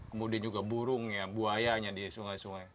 kemudian juga burungnya buaya nya di sungai sungai